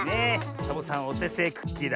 サボさんおてせいクッキーだ。